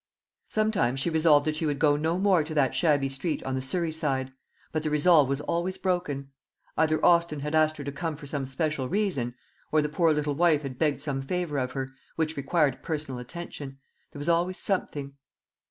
Sometimes she resolved that she would go no more to that shabby street on the "Surrey side"; but the resolve was always broken. Either Austin had asked her to come for some special reason, or the poor little wife had begged some favour of her, which required personal attention; there was always something.